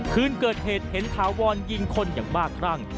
คืนเกิดเหตุเห็นทาวรยิงคนยังมากร่าง